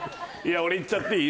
俺いっちゃっていい？